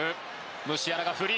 ムシアラがフリー。